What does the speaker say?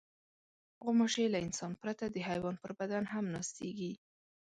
غوماشې له انسان پرته د حیوان پر بدن هم ناستېږي.